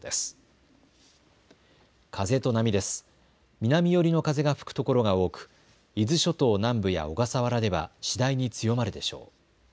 南寄りの風が吹く所が多く伊豆諸島南部や小笠原では次第に強まるでしょう。